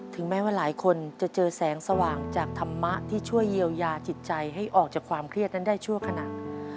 แม้ว่าหลายคนจะเจอแสงสว่างจากธรรมะที่ช่วยเยียวยาจิตใจให้ออกจากความเครียดนั้นได้ชั่วขณะ